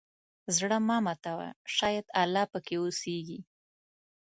زړه مه ماتوه، شاید الله پکې اوسېږي.